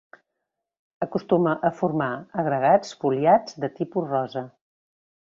Acostuma a formar agregats foliats de tipus rosa.